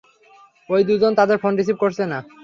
ঐ দুজন, তাদের ফোন রিসিভ করছে না।